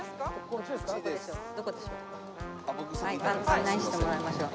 案内してもらいましょう。